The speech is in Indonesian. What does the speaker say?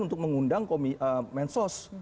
untuk mengundang mensos